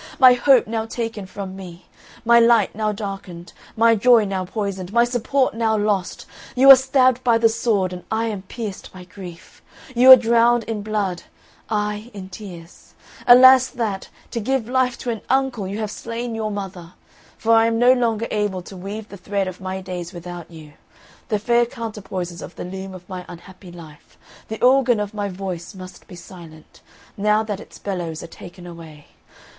my hope now taken from me, my light now darkened, my joy now poisoned, my support now lost! You are stabbed by the sword, I am pierced by grief; you are drowned in blood, I in tears. Alas that, to give life to an uncle, you have slain your mother! For I am no longer able to weave the thread of my days without you, the fair counterpoises of the loom of my unhappy life. The organ of my voice must be silent, now that its bellows are taken away.